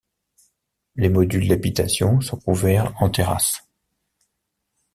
Les modules d'habitation sont couverts en terrasse.